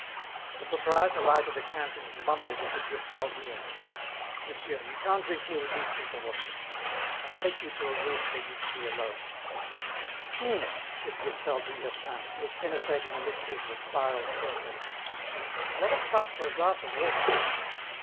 The proprietor lighted a candle and mumbled into Durtal's ear, "Monsieur, you can't drink here with these people watching. I'll take you to a room where you can be alone." "Hmmm," said Durtal to Hyacinthe, who was penetrating the mysteries of a spiral staircase, "A lot of fuss for a glass of water!"